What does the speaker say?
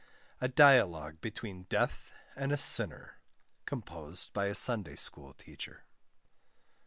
A DIALOGUE BETWEEN DEATH AND A SINNER. COMPOSED BY A SUNDAY SCHOOL TEACHER.